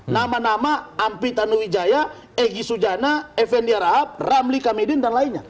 nama nama ampi tanuwijaya egy sujana effendi rahab ramli kamedin dan lainnya